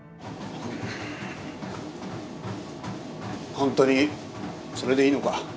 本当にそれでいいのか？